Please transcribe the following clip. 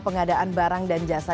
pengadaan barang dan jasa